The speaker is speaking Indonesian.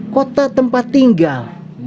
kota tempat tinggal